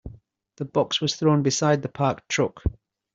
The box was thrown beside the parked truck.